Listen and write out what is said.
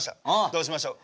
どうしましょう。